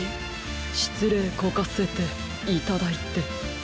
しつれいこかせていただいてしまいました。